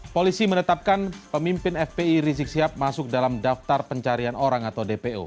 polisi menetapkan pemimpin fpi rizik sihab masuk dalam daftar pencarian orang atau dpo